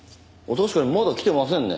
確かにまだ来てませんね。